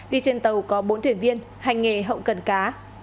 đi trên tàu có bốn thuyền viên hành nghề hậu cần cá